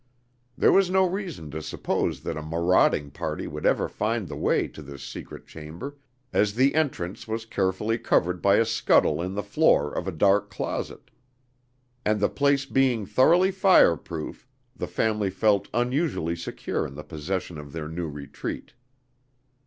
There was no reason to suppose that a marauding party would ever find the way to this secret chamber, as the entrance was carefully covered by a scuttle in the floor of a dark closet; and the place being thoroughly fire proof, the family felt unusually secure in the possession of their new retreat."